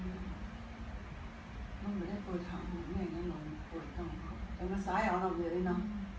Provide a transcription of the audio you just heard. แต่มันซ้ายออกและน้อยเนาะ